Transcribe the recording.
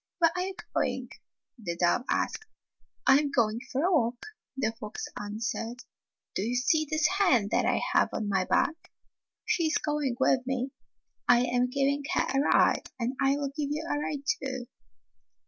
"Where are you going the dove asked. " I am going for a walk," the fox answered. " Do you see this hen that I have on my back? She is going with me. I am giving her a ride, and I will give you a ride, too."